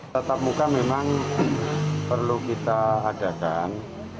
tatamuka memang perlu kita adakan